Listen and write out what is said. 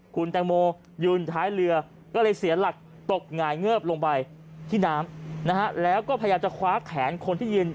ก็เลยเสียหลักตกหงายเงือบลงไปที่น้ำนะฮะแล้วก็พยายามจะคว้าแขนคนที่ยิน